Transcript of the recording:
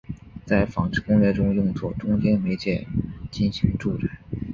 在纺织工业中用作中间媒介进行助染。